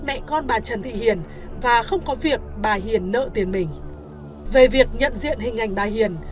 mẹ con bà trần thị hiền và không có việc bà hiền nợ tiền mình về việc nhận diện hình ảnh bà hiền